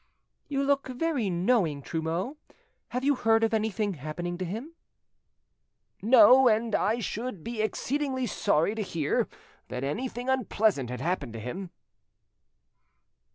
"You look very knowing, Trumeau: have you heard of anything happening to him?" "No, and I should be exceedingly sorry to hear that anything unpleasant had happened to him."